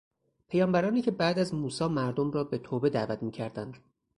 پیامبرانی که بعد از موسی مردم را به توبه دعوت میکردند.